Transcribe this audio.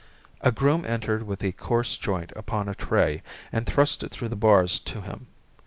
A groom entered with a coarse joint upon a tray, and thrust it through the bars to him.